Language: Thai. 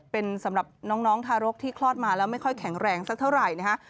เป็นสำหรับน้องทารกที่คลอดมาแล้วไม่ค่อยแข็งแรงสักเท่าไหร่นะฮะ